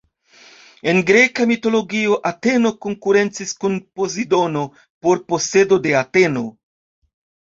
En Greka mitologio, Ateno konkurencis kun Pozidono por posedo de Ateno.